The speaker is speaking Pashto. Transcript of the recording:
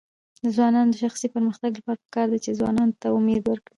د ځوانانو د شخصي پرمختګ لپاره پکار ده چې ځوانانو ته امید ورکړي.